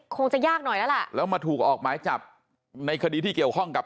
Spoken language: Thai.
คงจะยากหน่อยแล้วล่ะแล้วมาถูกออกหมายจับในคดีที่เกี่ยวข้องกับ